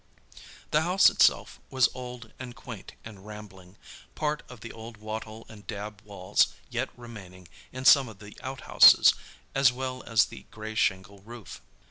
The house itself was old and quaint and rambling, part of the old wattle and dab walls yet remaining in some of the outhouses, as well as the grey shingle roof.